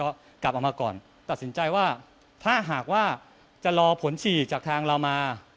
ก็กลับออกมาก่อนตัดสินใจว่าถ้าหากว่าจะรอผลฉีดจากทางเรามา